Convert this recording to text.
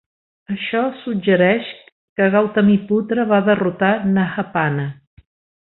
Això suggereix que Gautamiputra va derrotar Nahapana.